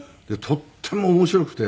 とっても面白くて。